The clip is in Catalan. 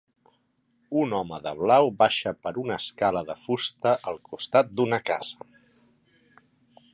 Un home de blau baixa per una escala de fusta al costat d'una casa.